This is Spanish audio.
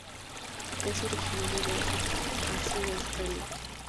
Es originario de África, Asia y Australia.